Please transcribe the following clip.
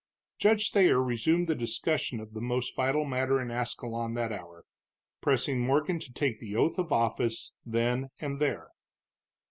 Judge Thayer resumed the discussion of the most vital matter in Ascalon that hour, pressing Morgan to take the oath of office then and there.